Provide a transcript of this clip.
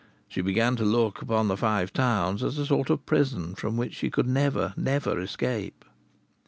She began to look upon the Five Towns as a sort of prison from which she could never, never escape.